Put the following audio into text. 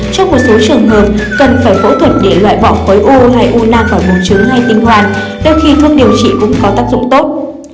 trong một số trường hợp cần phải phẫu thuật để loại bỏ khối u hay u na vào bùn trứng hay tinh hoàn đôi khi thuốc điều trị cũng có tác dụng tốt